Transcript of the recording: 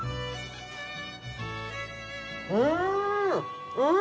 うんうん！